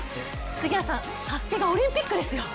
杉谷さん、「ＳＡＳＵＫＥ」がオリンピックですよ。